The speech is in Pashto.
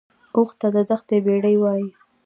اوښ ته د دښتې بیړۍ وایي